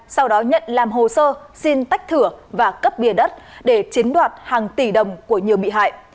sau đó nhận làm hồ sơ xin tách thửa và cấp bia đất để chiến đoạt hàng tỷ đồng của nhiều bị hại